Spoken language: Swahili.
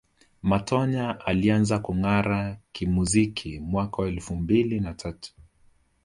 Matonya alianza kungara kimuziki mwaka elfu mbili na tatu